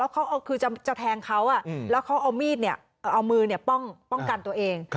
เขาคือจะแทงเขาแล้วเขาเอามีดเอามือป้องกันตัวเอง